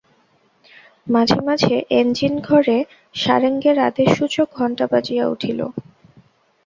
মাঝে মাঝে এঞ্জিন-ঘরে সারেঙের আদেশসূচক ঘণ্টা বাজিয়া উঠিল।